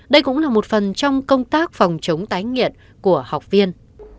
đây cũng là một phần trong công tác phòng chống tái nghiện của học viên